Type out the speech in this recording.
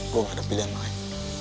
kok gak ada pilihan lain